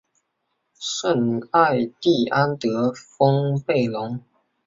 圣艾蒂安德丰贝隆。